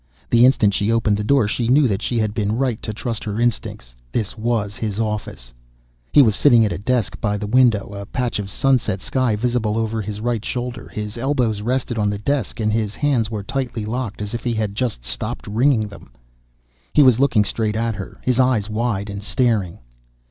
The instant she opened the door she knew that she had been right to trust her instincts. This was his office ... He was sitting at a desk by the window, a patch of sunset sky visible over his right shoulder. His elbows rested on the desk and his hands were tightly locked as if he had just stopped wringing them. He was looking straight at her, his eyes wide and staring.